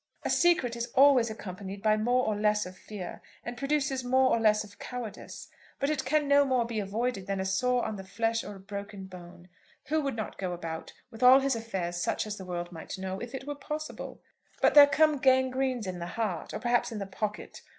"A secret is always accompanied by more or less of fear, and produces more or less of cowardice. But it can no more be avoided than a sore on the flesh or a broken bone. Who would not go about, with all his affairs such as the world might know, if it were possible? But there come gangrenes in the heart, or perhaps in the pocket.